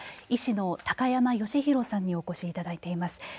医師の高山義浩さんにお越しいただいています。